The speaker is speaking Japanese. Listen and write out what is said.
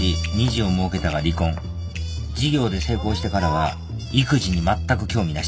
事業で成功してからは育児にまったく興味なし。